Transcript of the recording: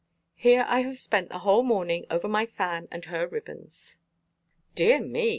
Here I have spent the whole morning over my fan and her ribbon." "Dear me!"